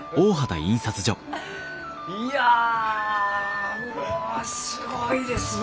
いやうわすごいですのう。